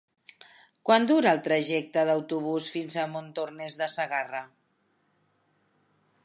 Quant dura el trajecte en autobús fins a Montornès de Segarra?